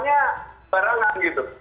jadi biar sebarang halnya kita makannya barang